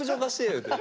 言うて。